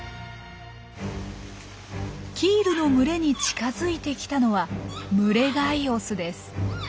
キールの群れに近づいてきたのは群れ外オスです。